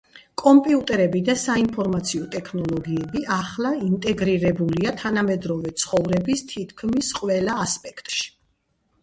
კომპიუტერები და საინფორმაციო ტექნოლოგიები ახლა ინტეგრირებულია თანამედროვე ცხოვრების თითქმის ყველა ასპექტში.